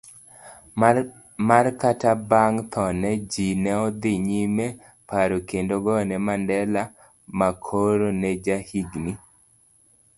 mar Kata manabang' thone, jine odhi nyimeparo kendo goyone Mandela, makoro nejahigini